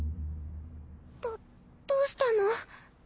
鼻どうしたの？